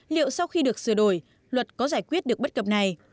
liệu sau khi được sửa đổi luật có giải quyết được bất cập này